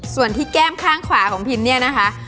ส่วนที่แก้มข้างขวาของพิมเนี่ยนะคะ